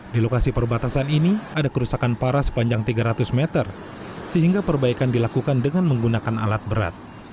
di lokasi perbatasan ini ada kerusakan parah sepanjang tiga ratus meter sehingga perbaikan dilakukan dengan menggunakan alat berat